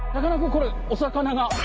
これお魚が。